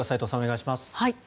お願いします。